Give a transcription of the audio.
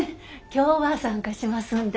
今日は参加しますんで。